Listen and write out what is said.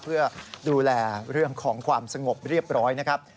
เพื่อดูแลเรื่องของความสงบเรียบร้อยนะครับ